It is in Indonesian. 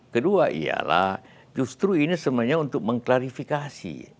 kedua ialah justru ini sebenarnya untuk mengklarifikasi